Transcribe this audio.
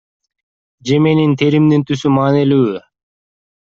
Же менин теримдин түсү маанилүүбү?